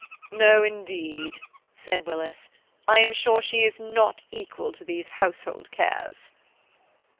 "No, indeed," said Willis, "I am sure she is not equal to these household cares."